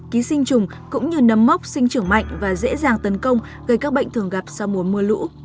ký sinh trùng cũng như nấm mốc sinh trưởng mạnh và dễ dàng tấn công gây các bệnh thường gặp sau mùa mưa lũ